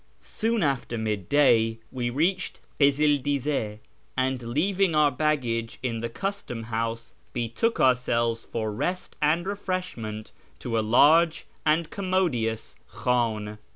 Soon after mid day we reached Kizil Diz^, and, leaving our baggage in the custom house, betook ourselves for rest and refreshment to a large and commodious Jilidn.